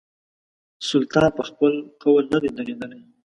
سلطان پر خپل قول نه دی درېدلی.